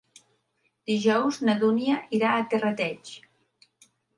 Dijous na Dúnia irà a Terrateig.